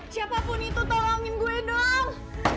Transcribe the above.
siapapun itu tolongin gue doang